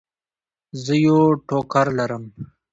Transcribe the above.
زه یو ټوکر لرم.